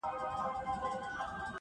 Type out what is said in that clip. • په څو ورځو کي پخه انډیوالي سوه -